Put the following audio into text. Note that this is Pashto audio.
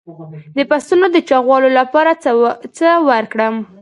د پسونو د چاغولو لپاره څه ورکړم؟